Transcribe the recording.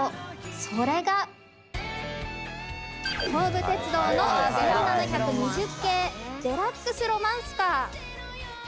それが東武鉄道の１７２０系デラックスロマンスカー。